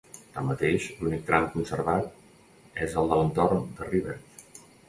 Tanmateix, l'únic tram conservat és el de l'entorn de Rivert.